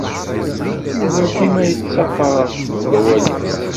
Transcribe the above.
Yuba dima yettaṭṭaf deg wawal-is.